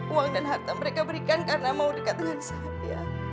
uang dan harta mereka berikan karena teteh